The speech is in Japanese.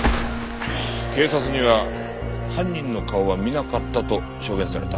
警察には犯人の顔は見なかったと証言された。